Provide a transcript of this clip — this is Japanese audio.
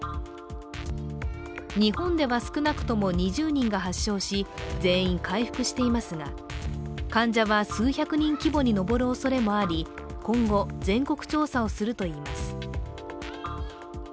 日本では少なくとも２０人が発症し全員回復していますが、患者は数百人規模に上るおそれもあり、今後、全国調査をするといいます。